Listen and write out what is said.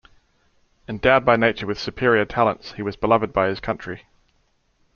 Endowed by nature with superior talents, he was beloved by his country.